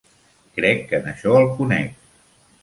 Crec que en això el conec.